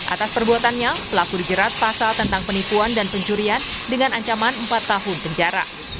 atas perbuatannya pelaku dijerat pasal tentang penipuan dan pencurian dengan ancaman empat tahun penjara